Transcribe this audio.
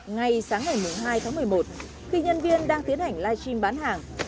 ngay sáng ngày hai tháng một mươi một khi nhân viên đang tiến hành live stream bán hàng